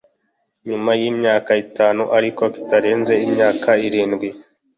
nyuma yimyaka itanu ariko kitarenze imyaka irindwi